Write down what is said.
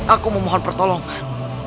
aku memohon pertolongan